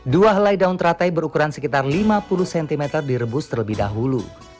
dua helai daun teratai berukuran sekitar lima puluh cm direbus terlebih dahulu